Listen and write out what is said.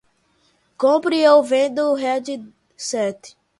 Compre ou venda o headset